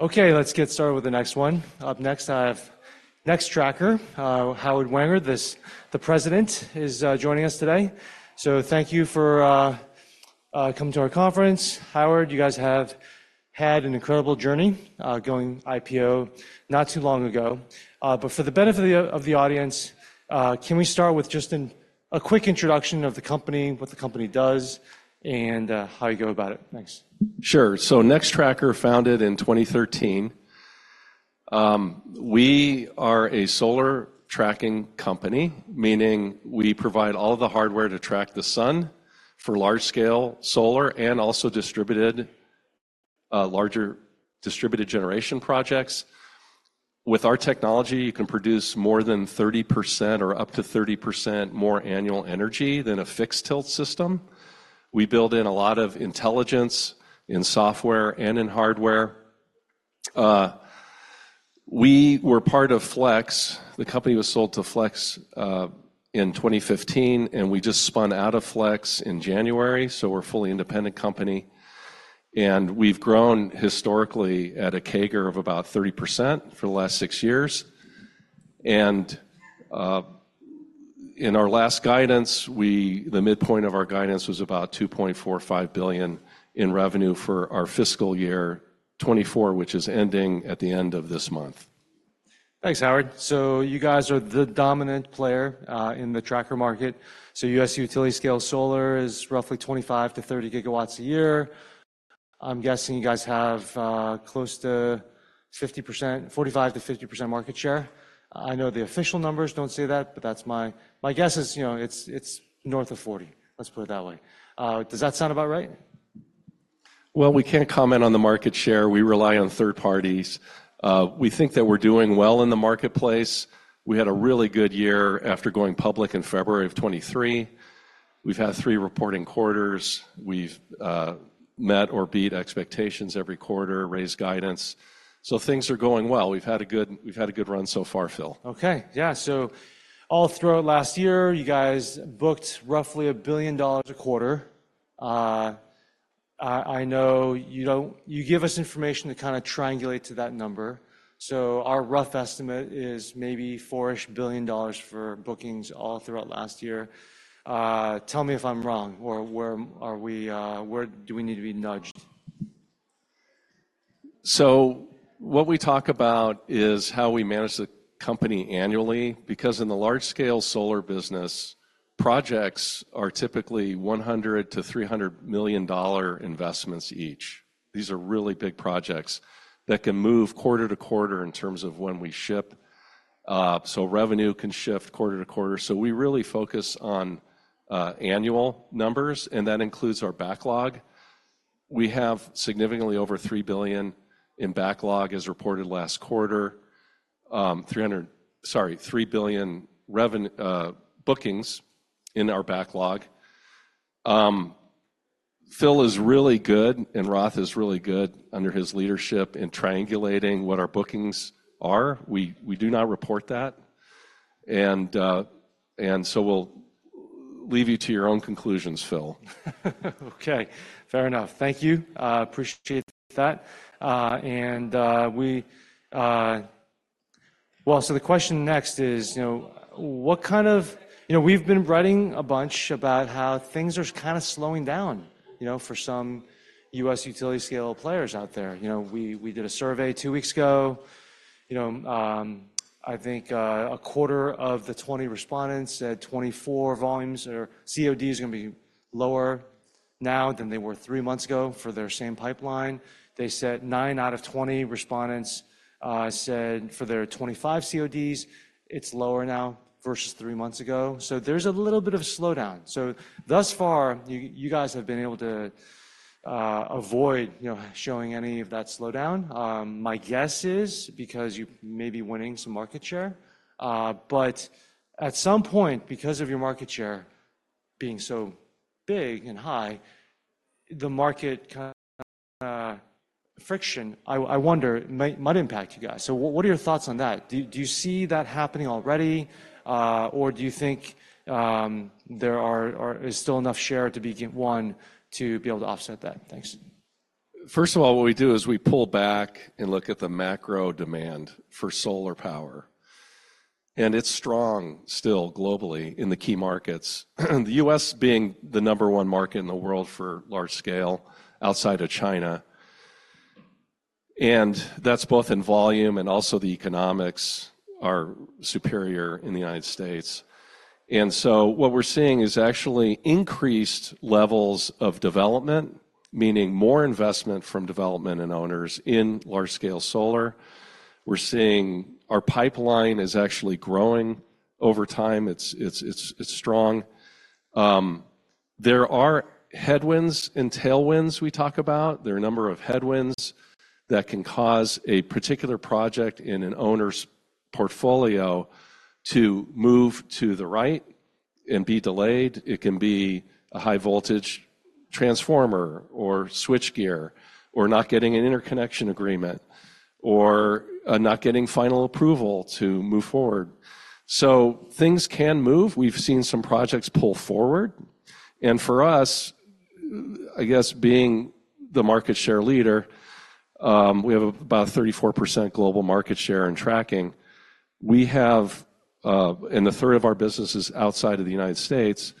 Okay, let's get started with the next one. Up next, I have Nextracker. Howard Wenger, the President, is joining us today. So thank you for coming to our conference. Howard, you guys have had an incredible journey, going IPO not too long ago. But for the benefit of the audience, can we start with just a quick introduction of the company, what the company does, and how you go about it? Thanks. Sure. So Nextracker, founded in 2013. We are a solar tracking company, meaning we provide all the hardware to track the sun for large-scale solar and also distributed, larger distributed generation projects. With our technology, you can produce more than 30% or up to 30% more annual energy than a fixed tilt system. We build in a lot of intelligence in software and in hardware. We were part of Flex. The company was sold to Flex in 2015, and we just spun out of Flex in January, so we're a fully independent company, and we've grown historically at a CAGR of about 30% for the last 6 years. In our last guidance, the midpoint of our guidance was about $2.45 billion in revenue for our fiscal year 2024, which is ending at the end of this month. Thanks, Howard. So you guys are the dominant player in the tracker market. So U.S. utility-scale solar is roughly 25 GW -30 GW a year. I'm guessing you guys have close to 50%, 45%-50% market share. I know the official numbers don't say that, but that's my. My guess is, you know, it's, it's north of 40. Let's put it that way. Does that sound about right? Well, we can't comment on the market share. We rely on third parties. We think that we're doing well in the marketplace. We had a really good year after going public in February of 2023. We've had three reporting quarters. We've met or beat expectations every quarter, raised guidance. So things are going well. We've had a good, we've had a good run so far, Phil. Okay, yeah. So all throughout last year, you guys booked roughly $1 billion a quarter. I know you don't, you give us information to kinda triangulate to that number, so our rough estimate is maybe $4-ish billion for bookings all throughout last year. Tell me if I'm wrong or where are we... where do we need to be nudged? So what we talk about is how we manage the company annually, because in the large-scale solar business, projects are typically $100 million-$300 million investments each. These are really big projects that can move quarter-to-quarter in terms of when we ship. So revenue can shift quarter-to-quarter. So we really focus on annual numbers, and that includes our backlog. We have significantly over $3 billion in backlog, as reported last quarter. Sorry, $3 billion bookings in our backlog. Phil is really good, and ROTH is really good under his leadership in triangulating what our bookings are. We, we do not report that, and so we'll leave you to your own conclusions, Phil. Okay, fair enough. Thank you. Appreciate that. Well, so the question next is, you know, what kind of, You know, we've been writing a bunch about how things are kinda slowing down, you know, for some U.S. utility-scale players out there. You know, we did a survey two weeks ago. You know, I think, a quarter of the 20 respondents said '2024 volumes or COD is gonna be lower now than they were three months ago for their same pipeline. They said 9 out of 20 respondents said for their 2025 CODs, it's lower now versus three months ago. So there's a little bit of a slowdown. So thus far, you guys have been able to avoid, you know, showing any of that slowdown. My guess is because you may be winning some market share, but at some point, because of your market share being so big and high, the market kinda friction. I wonder might impact you guys. So what are your thoughts on that? Do you see that happening already, or do you think there is still enough share to be won, to be able to offset that? Thanks. First of all, what we do is we pull back and look at the macro demand for solar power, and it's strong still globally in the key markets. The U.S. being the number one market in the world for large scale outside of China, and that's both in volume and also the economics are superior in the United States. And so what we're seeing is actually increased levels of development, meaning more investment from development and owners in large-scale solar. We're seeing our pipeline is actually growing over time. It's strong. There are headwinds and tailwinds we talk about. There are a number of headwinds that can cause a particular project in an owner's portfolio to move to the right and be delayed. It can be a high voltage transformer, or switchgear, or not getting an interconnection agreement, or not getting final approval to move forward. So things can move. We've seen some projects pull forward, and for us, I guess being the market share leader, we have about 34% global market share in tracking. We have, and a third of our business is outside of the United States.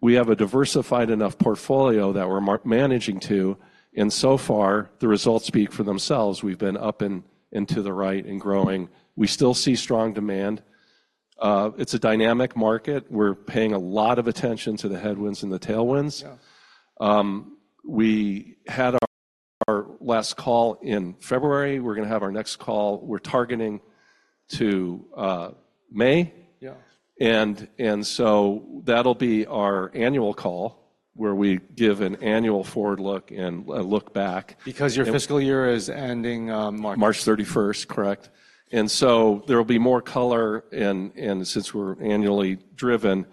We have a diversified enough portfolio that we're managing to, and so far, the results speak for themselves. We've been up and to the right and growing. We still see strong demand. It's a dynamic market. We're paying a lot of attention to the headwinds and the tailwinds. Yeah. We had our last call in February. We're gonna have our next call. We're targeting to May. Yeah. And so that'll be our annual call, where we give an annual forward look and a look back. Because your fiscal year is ending, March- March 31st, correct. And so there will be more color and, and since we're annually driven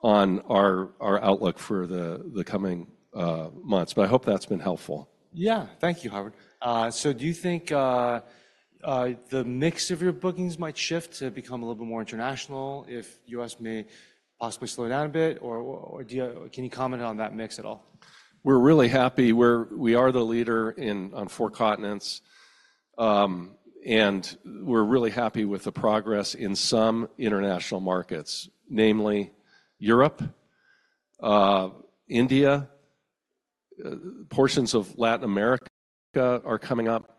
on our, our outlook for the, the coming months, but I hope that's been helpful. Yeah. Thank you, Howard. So do you think, the mix of your bookings might shift to become a little bit more international if U.S. may possibly slow down a bit? Or, do you... Can you comment on that mix at all? We're really happy. We are the leader on four continents, and we're really happy with the progress in some international markets, namely Europe, India, portions of Latin America are coming up,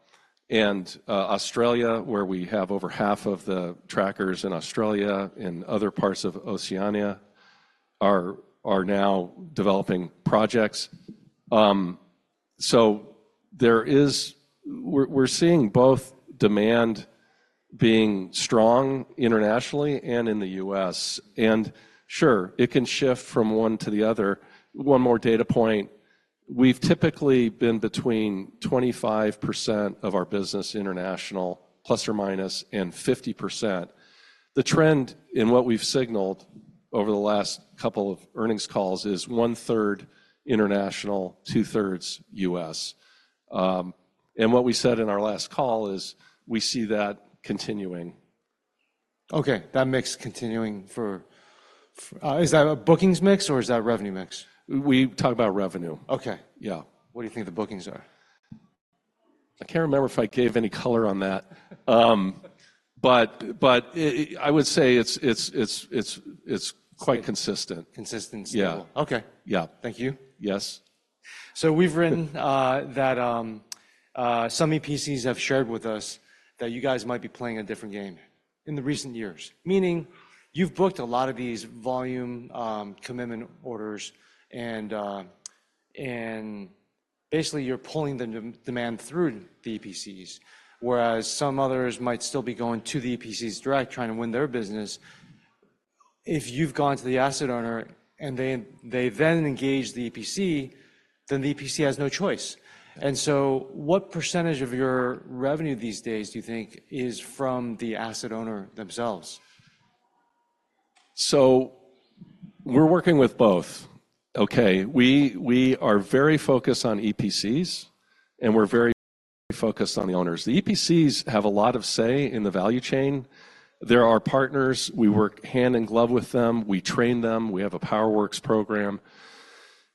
and Australia, where we have over half of the trackers in Australia and other parts of Oceania, are now developing projects. So there is-- we're seeing both demand being strong internationally and in the U.S. And sure, it can shift from one to the other. One more data point: we've typically been between 25% of our business international, plus or minus, and 50%. The trend in what we've signaled over the last couple of earnings calls is 1/3 international, 2/3 U.S. And what we said in our last call is we see that continuing. Okay, that mix continuing for. Is that a bookings mix or is that revenue mix? We talk about revenue. Okay. Yeah. What do you think the bookings are? I can't remember if I gave any color on that. But I would say it's quite consistent. Consistent, stable. Yeah. Okay. Yeah. Thank you. Yes. So we've written that some EPCs have shared with us that you guys might be playing a different game in the recent years, meaning you've booked a lot of these volume commitment orders, and basically, you're pulling the demand through the EPCs, whereas some others might still be going to the EPCs direct, trying to win their business. If you've gone to the asset owner, and they then engage the EPC, then the EPC has no choice. And so what percentage of your revenue these days do you think is from the asset owner themselves? So we're working with both, okay? We are very focused on EPCs, and we're very focused on the owners. The EPCs have a lot of say in the value chain. They're our partners. We work hand in glove with them. We train them. We have a PowerworX program.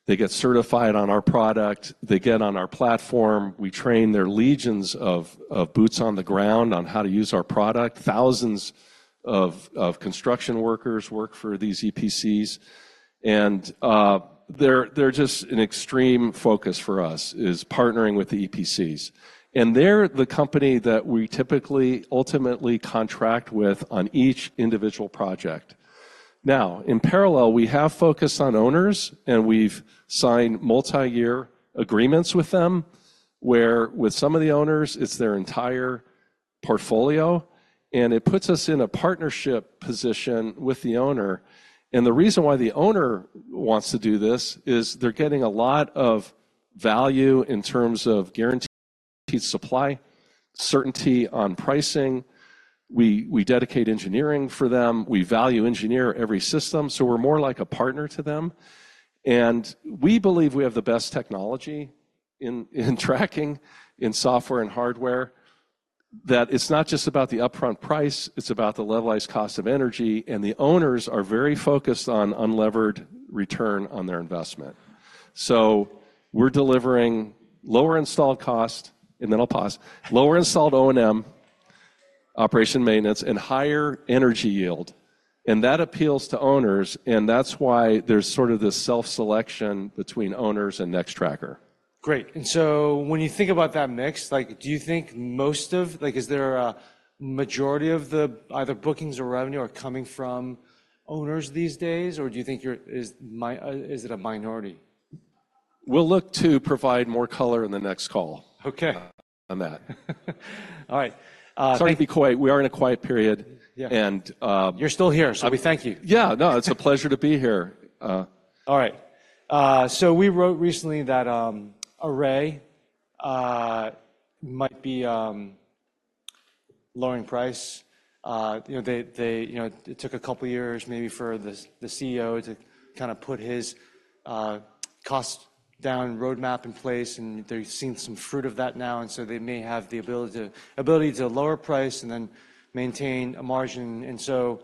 They get certified on our product. They get on our platform. We train their legions of boots on the ground on how to use our product. Thousands of construction workers work for these EPCs, and they're just an extreme focus for us, is partnering with the EPCs. And they're the company that we typically ultimately contract with on each individual project. Now, in parallel, we have focused on owners, and we've signed multi-year agreements with them, where with some of the owners, it's their entire portfolio, and it puts us in a partnership position with the owner. And the reason why the owner wants to do this is they're getting a lot of value in terms of guaranteed supply, certainty on pricing. We, we dedicate engineering for them. We value engineer every system, so we're more like a partner to them. And we believe we have the best technology in, in tracking, in software and hardware, that it's not just about the upfront price, it's about the levelized cost of energy, and the owners are very focused on unlevered return on their investment. So we're delivering lower installed cost, and then I'll pause, lower installed O&M, operation maintenance, and higher energy yield, and that appeals to owners, and that's why there's sort of this self-selection between owners and Nextracker. Great. And so when you think about that mix, like, do you think most of... Like, is there a majority of the either bookings or revenue are coming from owners these days, or do you think you're, is it a minority? We'll look to provide more color in the next call- Okay... on that. All right. Sorry to be quiet. We are in a quiet period. Yeah. And, um- You're still here, so we thank you. Yeah, no, it's a pleasure to be here. All right. So we wrote recently that Array might be lowering price. You know, they, they, you know, it took a couple of years maybe for the CEO to kind of put his cost down roadmap in place, and they're seeing some fruit of that now, and so they may have the ability to lower price and then maintain a margin. And so,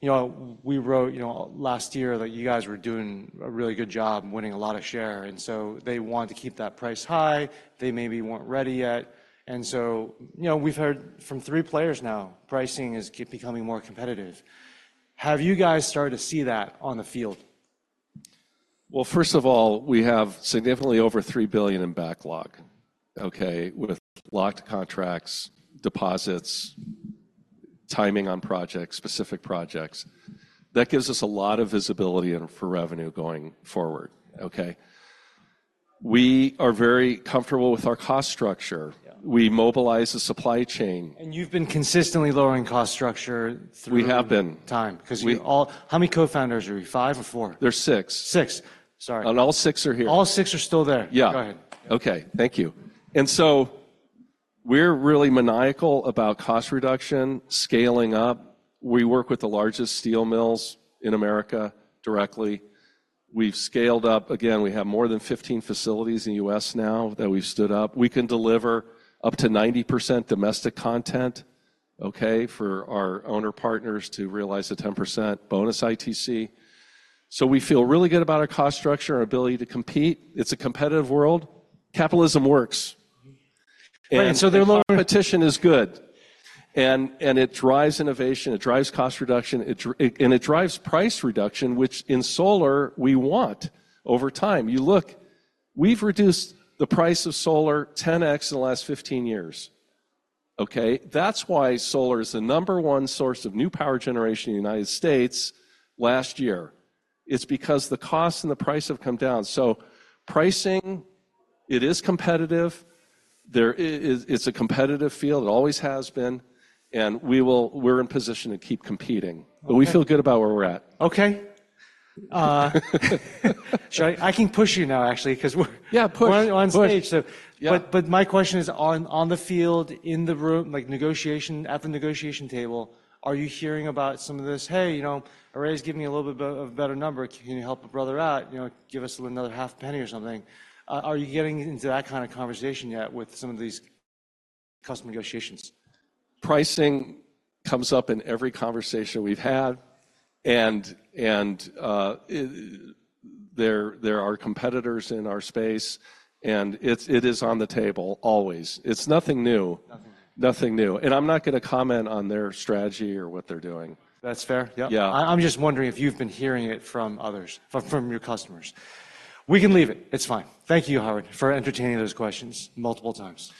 you know, we wrote last year that you guys were doing a really good job and winning a lot of share, and so they wanted to keep that price high. They maybe weren't ready yet. And so, you know, we've heard from three players now, pricing is keep becoming more competitive. Have you guys started to see that on the field? Well, first of all, we have significantly over $3 billion in backlog, okay? With locked contracts, deposits, timing on projects, specific projects. That gives us a lot of visibility and for revenue going forward, okay? We are very comfortable with our cost structure. Yeah. We mobilize the supply chain. You've been consistently lowering cost structure through- We have been... time. We- 'Cause you all, how many co-founders are you, five or four? There are six. Six. Sorry. All six are here. All six are still there? Yeah. Go ahead. Okay, thank you. And so we're really maniacal about cost reduction, scaling up. We work with the largest steel mills in America directly. We've scaled up. Again, we have more than 15 facilities in the U.S. now that we've stood up. We can deliver up to 90% domestic content, okay, for our owner-partners to realize a 10% bonus ITC. So we feel really good about our cost structure and ability to compete. It's a competitive world. Capitalism works. And Right, so the competition- Is good. And it drives innovation, it drives cost reduction, and it drives price reduction, which in solar, we want over time. You look, we've reduced the price of solar 10x in the last 15 years, okay? That's why solar is the number one source of new power generation in the United States last year. It's because the cost and the price have come down. So pricing, it is competitive. It, it's a competitive field. It always has been, and we're in position to keep competing. Okay. But we feel good about where we're at. Okay. Should I I can push you now, actually, 'cause we're- Yeah, push. We're on stage, so. Yeah. But my question is, on the field, in the room, like negotiation, at the negotiation table, are you hearing about some of this? "Hey, you know, Array's giving me a little bit of a better number. Can you help a brother out? You know, give us another half penny or something." Are you getting into that kind of conversation yet with some of these custom negotiations? Pricing comes up in every conversation we've had, and there are competitors in our space, and it's, it is on the table, always. It's nothing new. Nothing new. Nothing new. I'm not going to comment on their strategy or what they're doing. That's fair. Yep. Yeah. I'm just wondering if you've been hearing it from others, from your customers. We can leave it. It's fine. Thank you, Howard, for entertaining those questions multiple times.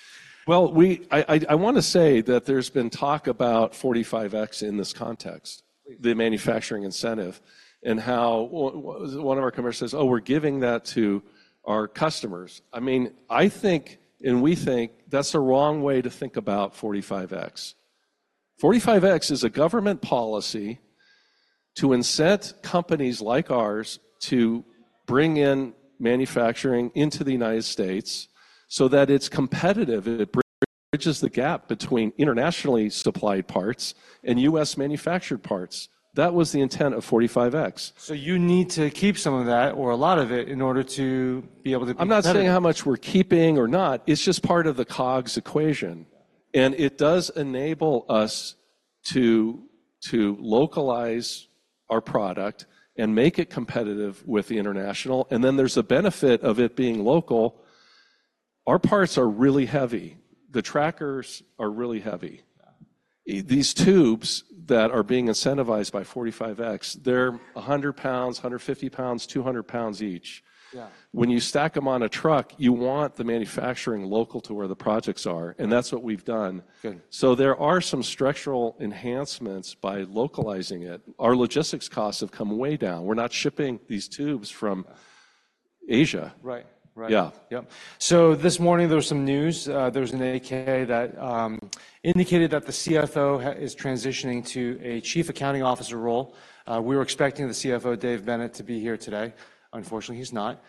Well, I want to say that there's been talk about 45X in this context the manufacturing incentive, and how one of our competitors says: "Oh, we're giving that to our customers." I mean, I think, and we think, that's the wrong way to think about 45X. 45X is a government policy to incent companies like ours to bring in manufacturing into the United States so that it's competitive, and it bridges, bridges the gap between internationally supplied parts and U.S.-manufactured parts. That was the intent of 45X. So you need to keep some of that or a lot of it in order to be able to be competitive. I'm not saying how much we're keeping or not, it's just part of the COGS equation. Yeah. It does enable us to, to localize our product and make it competitive with the international, and then there's a benefit of it being local. Our parts are really heavy. The trackers are really heavy. Yeah. These tubes that are being incentivized by 45X, they're 100 lbs, 150 lbs, 200 lbs each. Yeah. When you stack them on a truck, you want the manufacturing local to where the projects are, and that's what we've done. Okay. So there are some structural enhancements by localizing it. Our logistics costs have come way down. We're not shipping these tubes from Asia. Right. Right. Yeah. Yep. So this morning, there was some news. There was an 8-K that indicated that the CFO is transitioning to a Chief Accounting Officer role. We were expecting the CFO, Dave Bennett, to be here today. Unfortunately, he's not.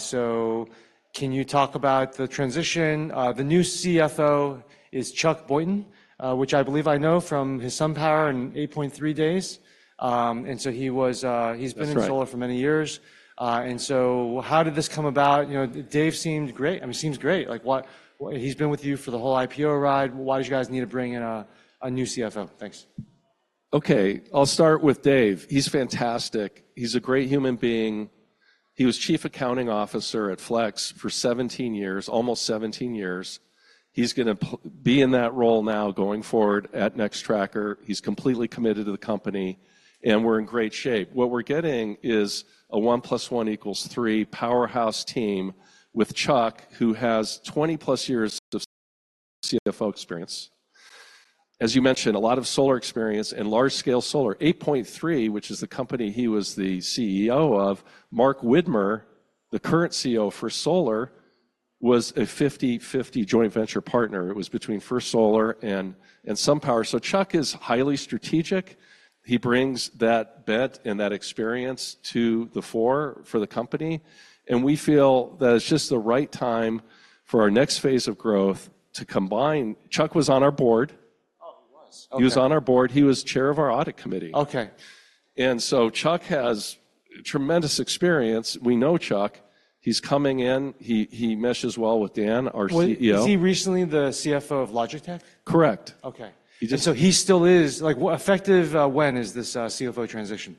So can you talk about the transition? The new CFO is Chuck Boynton, which I believe I know from his SunPower and 8.3 days. And so he was That's right. He's been in solar for many years. And so how did this come about? You know, Dave seemed great, I mean, seems great. Like, why? He's been with you for the whole IPO ride. Why did you guys need to bring in a new CFO? Thanks. Okay, I'll start with Dave. He's fantastic. He's a great human being. He was chief accounting officer at Flex for 17 years, almost 17 years. He's gonna be in that role now going forward at Nextracker. He's completely committed to the company, and we're in great shape. What we're getting is a one plus one equals three powerhouse team with Chuck, who has 20+ years of CFO experience. As you mentioned, a lot of solar experience and large-scale solar, 8.3, which is the company he was the CEO of. Mark Widmar, the current CEO for Solar, was a 50/50 joint venture partner. It was between First Solar and, and SunPower. So Chuck is highly strategic. He brings that bet and that experience to the fore for the company, and we feel that it's just the right time for our next phase of growth to combine. Chuck was on our board. He was on our board. He was Chair of our audit committee. Okay. And so Chuck has tremendous experience. We know Chuck. He's coming in. He meshes well with Dan, our CEO. Was he recently the CFO of Logitech? Correct. Okay. He just- And so he still is like, effective, when is this CFO transition?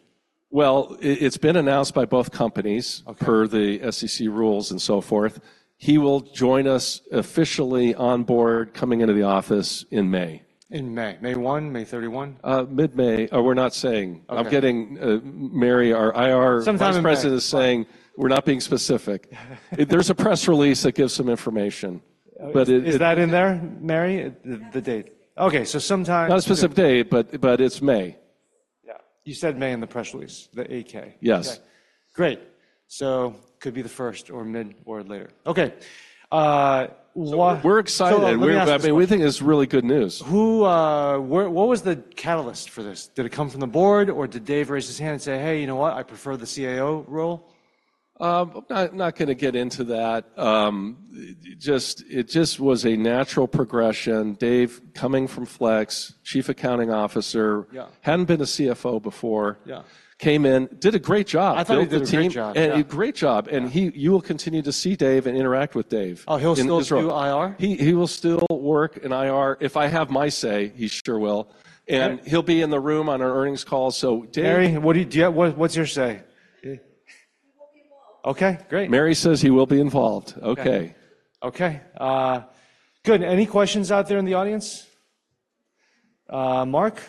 Well, it's been announced by both companies- Okay Per the SEC rules and so forth. He will join us officially on board, coming into the office in May. In May. May 1, May 31? Mid-May. Oh, we're not saying. Okay. I'm getting Mary, our IR- Sometime in May.... vice president is saying we're not being specific. There's a press release that gives some information, but it- Is that in there, Mary? Yes. The date. Okay, so sometime- Not a specific date, but it's May. Yeah, you said May in the press release, the FAQ. Yes. Okay, great. So could be the first or mid or later. Okay, We're excited. Let me ask this- We're, I mean, we think it's really good news. What was the catalyst for this? Did it come from the board, or did Dave raise his hand and say, "Hey, you know what? I prefer the CAO role"? I'm not, not gonna get into that. Just, it just was a natural progression. Dave coming from Flex, Chief Accounting Officer- Yeah hadn't been a CFO before. Yeah. Came in, did a great job- I thought he did a great job. Built the team. Yeah. A great job. Yeah. You will continue to see Dave and interact with Dave. Oh, he'll still do IR? He will still work in IR. If I have my say, he sure will. Great. He'll be in the room on our earnings call. So, Dave- Mary, what do you have? What's your say? He will be involved. Okay, great. Mary says he will be involved. Okay. Okay, good. Any questions out there in the audience? Mark?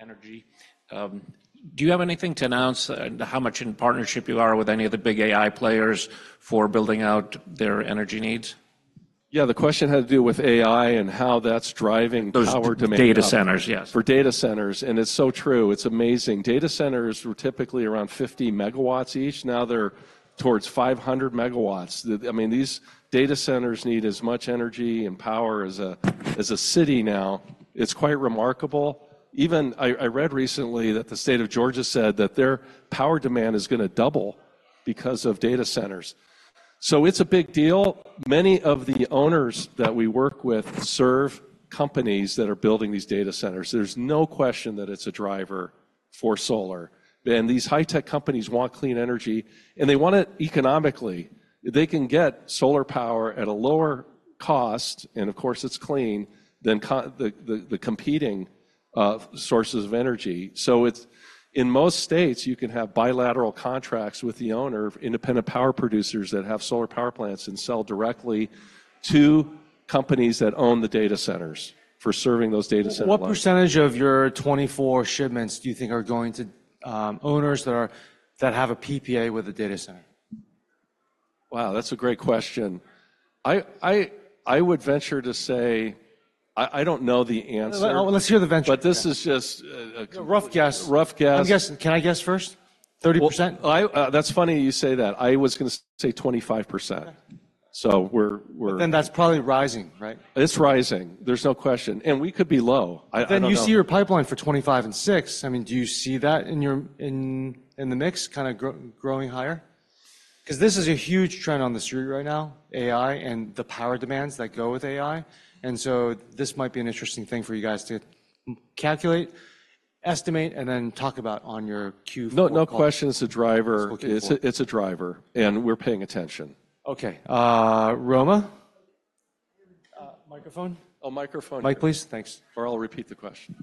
Yes, specifically with the AI industry and their critical needs for, you know, energy, do you have anything to announce and how much in partnership you are with any of the big AI players for building out their energy needs? Yeah, the question had to do with AI and how that's driving power to make- Those data centers, yes. For data centers, it's so true. It's amazing. Data centers were typically around 50 MW each. Now they're toward 500 MW. I mean, these data centers need as much energy and power as a city now. It's quite remarkable. Even I read recently that the state of Georgia said that their power demand is gonna double because of data centers. So it's a big deal. Many of the owners that we work with serve companies that are building these data centers. There's no question that it's a driver for solar, and these high-tech companies want clean energy, and they want it economically. They can get solar power at a lower cost, and of course, it's clean, than the competing sources of energy. So it's... In most states, you can have bilateral contracts with the owner, independent power producers that have solar power plants and sell directly to companies that own the data centers for serving those data center What percentage of your 24 shipments do you think are going to, owners that are, that have a PPA with a data center? Wow, that's a great question. I would venture to say I don't know the answer. Well, let's hear the venture. But this is just, A rough guess. Rough guess. I'm guessing. Can I guess first? 30%. Well, that's funny you say that. I was gonna say 25%. Okay. So we're But then that's probably rising, right? It's rising. There's no question, and we could be low. I, I don't know. Then you see your pipeline for 2025 and 2026. I mean, do you see that in your mix, kind of growing higher? 'Cause this is a huge trend on the street right now, AI and the power demands that go with AI, and so this might be an interesting thing for you guys to calculate, estimate, and then talk about on your Q4. No, no question, it's a driver. It's looking for- It's a, it's a driver, and we're paying attention. Okay, Roma? Uh, microphone. A microphone. Mic, please. Thanks, or I'll repeat the question.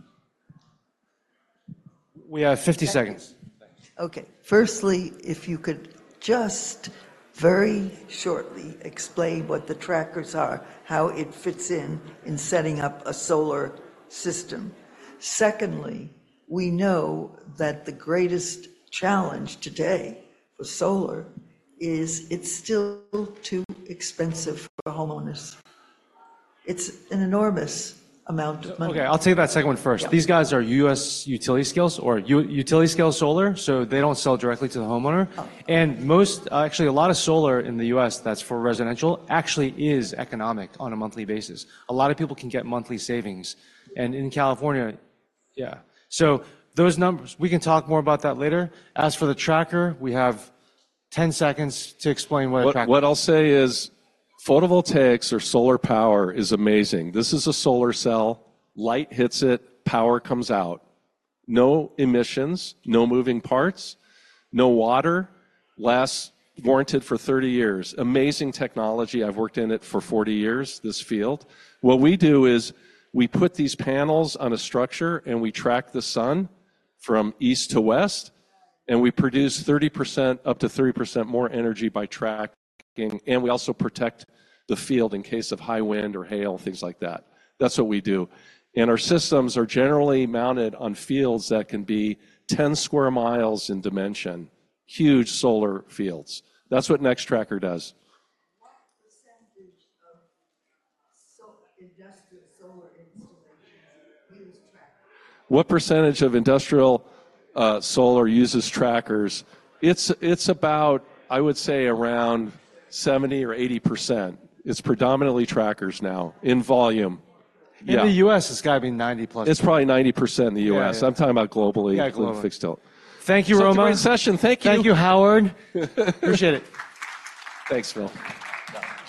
We have 50 seconds. Thanks. Okay. Firstly, if you could just very shortly explain what the trackers are, how it fits in setting up a solar system. Secondly, we know that the greatest challenge today for solar is it's still too expensive for homeowners. It's an enormous amount of money. Okay, I'll take that second one first. Yeah. These guys are U.S. utility-scale solar, so they don't sell directly to the homeowner. Oh. Most, actually, a lot of solar in the U.S. that's for residential actually is economic on a monthly basis. A lot of people can get monthly savings, and in California... Yeah. So those numbers, we can talk more about that later. As for the tracker, we have 10 seconds to explain what a tracker. What I'll say is photovoltaics or solar power is amazing. This is a solar cell. Light hits it, power comes out, no emissions, no moving parts, no water, lasts, warranted for 30 years. Amazing technology. I've worked in it for 40 years, this field. What we do is we put these panels on a structure, and we track the sun from east to west, and we produce 30%, up to 30% more energy by tracking, and we also protect the field in case of high wind or hail, things like that. That's what we do. Our systems are generally mounted on fields that can be 10 sq mi in dimension, huge solar fields. That's what Nextracker does. What percentage of industrial solar installations use trackers? What percentage of industrial solar uses trackers? It's about, I would say, around 70 or 80%. It's predominantly trackers now in volume. Yeah. In the U.S., it's gotta be 90+. It's probably 90% in the U.S. Yeah, yeah. I'm talking about globally- Yeah, globally fixed tilt. Thank you, Roma. Great session. Thank you. Thank you, Howard. Appreciate it. Thanks, Phil.